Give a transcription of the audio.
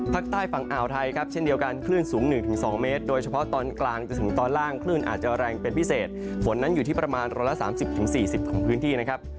ภาคใต้ฝั่งอ่าวไทยครับเช่นเดียวกันคลื่นสูง๑๒เมตรโดยเฉพาะตอนกลางจนถึงตอนล่างคลื่นอาจจะแรงเป็นพิเศษฝนนั้นอยู่ที่ประมาณ๑๓๐๔๐ของพื้นที่นะครับ